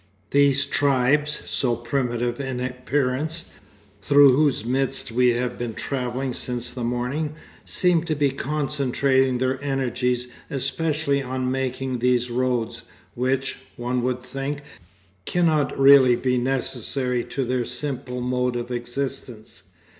These tribes, so primitive in appearance, through whose midst we have been travelling since the morning, seem to be concentrating their energies especially on making these roads, which, one would think, cannot really be necessary to their simple mode of existence.